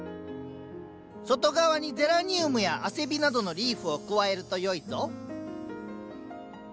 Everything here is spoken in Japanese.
外側にゼラニウムやアセビなどのリーフを加えるとよいぞ。